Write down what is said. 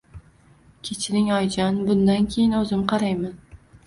Kechiring, oyijon bundan keyin o`zim qarayman